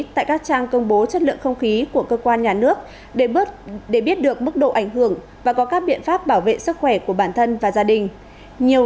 tại các trang công bố chất lượng không khí của cơ quan nhà nước để biết được mức độ ảnh hưởng và có các biện pháp bảo vệ sức khỏe của bản thân và gia đình